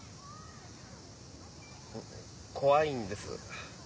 怖いんです。